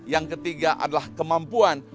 yang ketiga adalah kemampuan